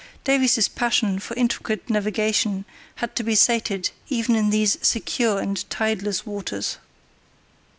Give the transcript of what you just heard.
Davies's passion for intricate navigation had to be sated even in these secure and tideless waters.